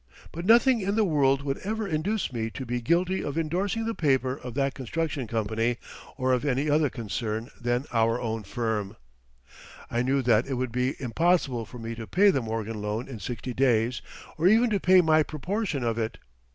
But nothing in the world would ever induce me to be guilty of endorsing the paper of that construction company or of any other concern than our own firm. I knew that it would be impossible for me to pay the Morgan loan in sixty days, or even to pay my proportion of it.